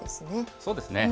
そうですね。